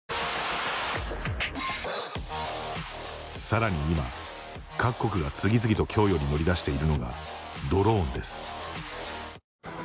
さらに今、各国が次々と供与に乗り出しているのがドローンです。